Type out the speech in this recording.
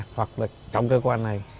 hoặc là trong cơ quan này